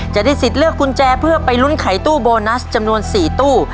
จะได้สิทธิ์เลือกกุญแจเพื่อไปลุ้นไขตู้โบนัสจำนวน๔ตู้